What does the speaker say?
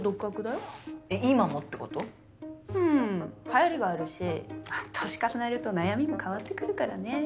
はやりがあるし年重ねると悩みも変わってくるからね。